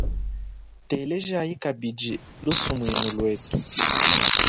Telejayi kabidi lusumuinu lwetu.